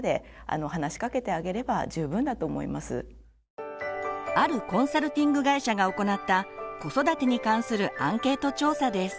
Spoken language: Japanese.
大人があるコンサルティング会社が行った子育てに関するアンケート調査です。